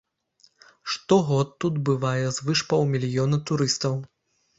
Штогод тут бывае звыш паўмільёна турыстаў.